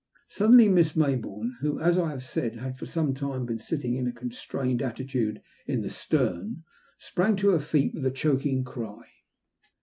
Suddenly Miss Mayboumep who, as I have said, had for some ti^e been sitting in a constrained attitude in the stern, sprang to her feet with a choking cry.